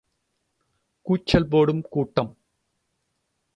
கூச்சல் போடும் கூட்டம்!